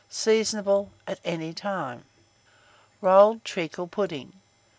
Seasonable at any time. ROLLED TREACLE PUDDING.